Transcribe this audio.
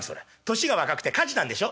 「年が若くて火事なんでしょ？」。